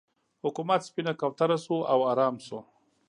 حکومت سپینه کوتره شو او ارام شو.